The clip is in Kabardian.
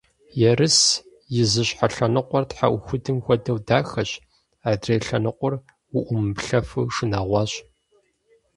Ерыс и зы щхьэ лъэныкъуэр тхьэӏухудым хуэдэу дахэщ, адрей лъэныкъуэр уӏумыплъэфу шынагъуащ.